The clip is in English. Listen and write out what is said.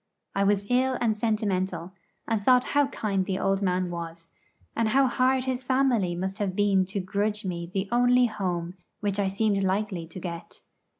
I was ill and sentimental, and thought how kind the old man was, and how hard his family must have been to grudge me the only home which I seemed likely to get.